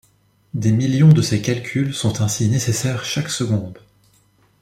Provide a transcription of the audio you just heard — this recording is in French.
Des millions de ces calculs sont ainsi nécessaires chaque seconde.